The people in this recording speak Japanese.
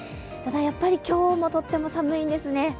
ただ、やっぱり今日もとっても寒いんですね。